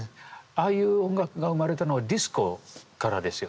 ああいう音楽が生まれたのはディスコからですよね。